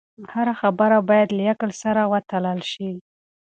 هره خبره باید له عقل سره وتلل شي.